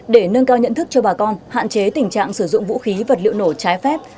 để nâng cao nhận thức cho bà con hạn chế tình trạng sử dụng vũ khí vật liệu nổ trái phép